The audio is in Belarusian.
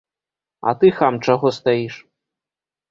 А ты, хам, чаго стаіш?